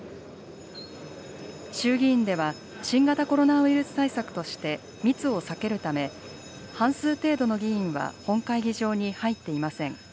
衆議院では、新型コロナウイルス対策として、密を避けるため、半数程度の議員は本会議場に入っていません。